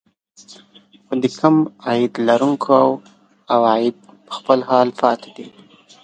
خو د کم عاید لرونکو عوايد په خپل حال پاتې دي